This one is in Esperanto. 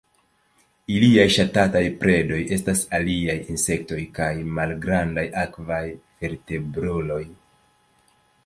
Iliaj ŝatataj predoj estas aliaj insektoj kaj malgrandaj akvaj vertebruloj.